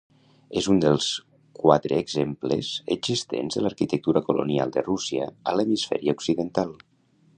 És un dels quatre exemples existents de l'arquitectura colonial de Rússia a l'hemisferi occidental.